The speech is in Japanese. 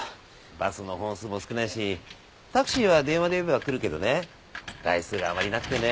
バスの本数も少ないしタクシーは電話で呼べば来るけどね台数があまりなくてね。